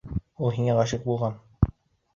Ул һиңә ғашиҡ булған.